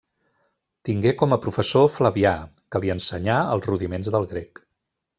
Tingué com a professor Flavià, que li ensenyà els rudiments del grec.